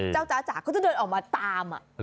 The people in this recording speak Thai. เจ้าจ้าจาก็จะเดินออกมาตาม